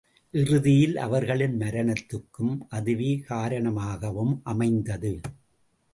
இறுதியில் அவர்களின் மரணத்துக்கும், அதுவே காரணமாகவும் அமைந்தது.